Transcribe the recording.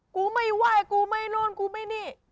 กูไม่ไหว้กูไม่โรน